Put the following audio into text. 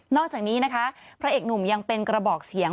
อกจากนี้นะคะพระเอกหนุ่มยังเป็นกระบอกเสียง